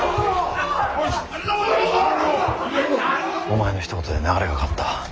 お前のひと言で流れが変わった。